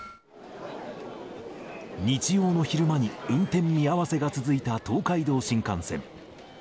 日曜の昼間に運転見合わせが続いた東海道新幹線。